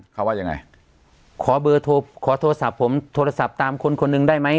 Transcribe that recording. เขาว่ายังไงขอเบอร์โทรขอโทรศัพท์ผมโทรศัพท์ตามคนคนหนึ่งได้ไหม